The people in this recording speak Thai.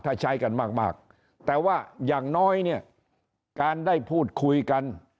ถ้าใช้กันมากแต่ว่าอย่างน้อยเนี่ยการได้พูดคุยกัน